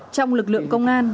trong lực lượng công an